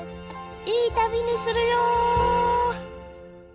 「いい旅にするよ！」。